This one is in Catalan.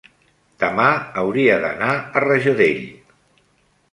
demà hauria d'anar a Rajadell.